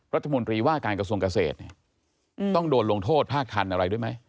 รัฐมนตรีว่าการกระทรวงเกษตรต้องโดนลงโทษภาคทันอะไรด้วยไหม